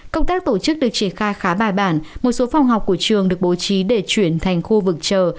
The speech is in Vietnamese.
công tác tổ chức được triển khai khá bài bản một số phòng học của trường được bố trí để chuyển thành khu vực chờ